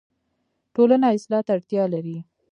ټولنه اصلاح ته اړتیا لري